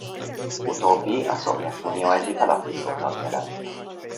Utóbbi a Szovjetunió egyik alapító tagja lett.